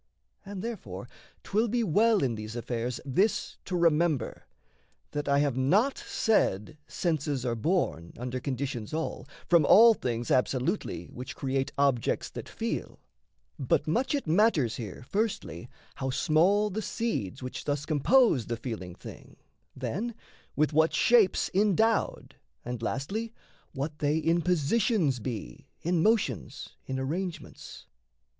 And, therefore, 'twill be well in these affairs This to remember: that I have not said Senses are born, under conditions all, From all things absolutely which create Objects that feel; but much it matters here Firstly, how small the seeds which thus compose The feeling thing, then, with what shapes endowed, And lastly what they in positions be, In motions, in arrangements.